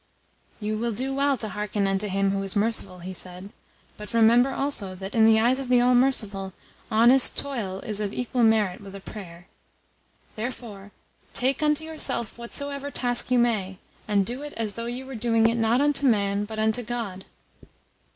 "You will do well to hearken unto Him who is merciful," he said. "But remember also that, in the eyes of the All Merciful, honest toil is of equal merit with a prayer. Therefore take unto yourself whatsoever task you may, and do it as though you were doing it, not unto man, but unto God.